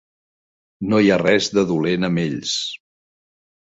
No hi ha res de dolent amb ells.